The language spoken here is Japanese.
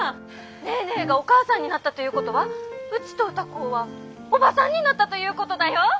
☎ネーネーがお母さんになったということはうちと歌子はおばさんになったということだよ！